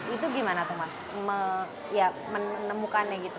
itu gimana tuh mas menemukannya gitu